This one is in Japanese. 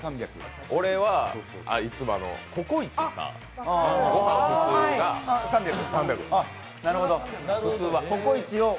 俺は、いつもココイチとかごはんの量が３００。